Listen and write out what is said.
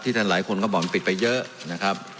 ท่านหลายคนก็บอกมันปิดไปเยอะนะครับ